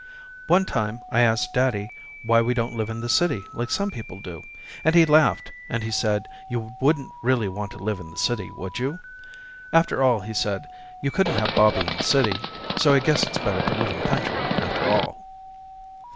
One time I asked daddy why we don't live in the city like some people do and he laughed and said you wouldn't really want to live in the city would you? After all he said you couldn't have Bobby in the city, so I guess it's better to live in the country after all.